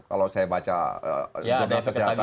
kalau saya baca jurnal kesehatan